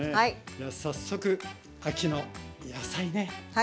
じゃあ早速秋の野菜ね。